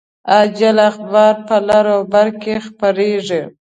عاجل اخبار په لر او بر کې خپریږي